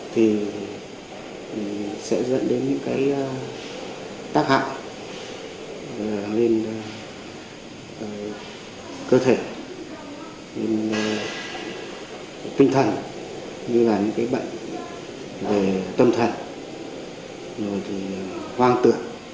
thì sẽ dẫn đến những cái tác hại lên cơ thể tinh thần như là những cái bệnh về tâm thần rồi thì hoang tưởng